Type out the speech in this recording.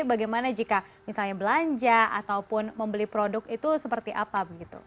bagaimana jika misalnya belanja ataupun membeli produk itu seperti apa